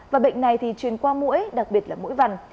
và bệnh này thì truyền qua mũi đặc biệt là mũi vằn